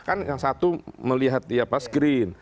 kan yang satu melihat ya pas screen